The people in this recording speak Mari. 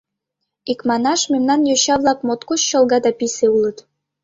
Икманаш, мемнан йоча-влак моткоч чолга да писе улыт.